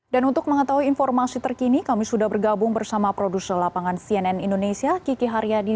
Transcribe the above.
dan untuk mengetahui informasi terkini kami sudah bergabung bersama produser lapangan cnn indonesia kiki haryadi